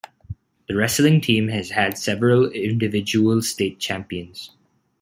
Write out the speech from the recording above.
The wrestling team has had several individual state champions.